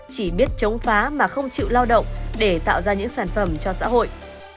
chỉ biết chống phá mà không chịu lao động để tạo ra những sản phẩm cho xã hội